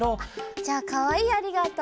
じゃあかわいい「ありがとう」